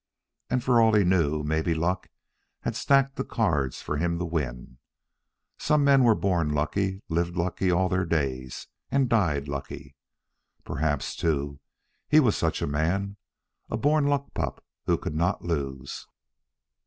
And for all he knew, maybe Luck had stacked the cards for him to win. Some men were born lucky, lived lucky all their days, and died lucky. Perhaps, too, he was such a man, a born luck pup who could not lose.